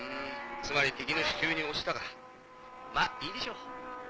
つまり敵の手中に落ちたかまぁいいでしょう。